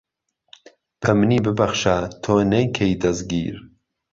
به منی ببهخشه تۆ نەیکەی دهزگیر